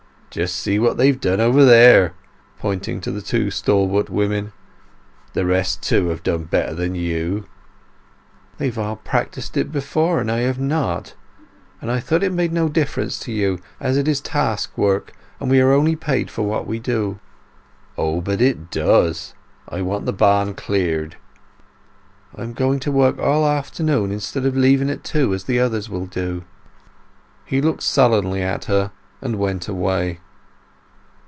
Just see what they've done over there" (pointing to the two stalwart women). "The rest, too, have done better than you." "They've all practised it before, and I have not. And I thought it made no difference to you as it is task work, and we are only paid for what we do." "Oh, but it does. I want the barn cleared." "I am going to work all the afternoon instead of leaving at two as the others will do." He looked sullenly at her and went away.